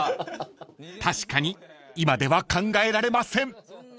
［確かに今では考えられません］